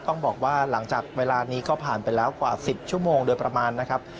ต้องบอกว่าหลังจากเวลานี้ก็ผ่านไปแล้วกว่า๑๐ชั่วโมงโดยประมาณนะครับ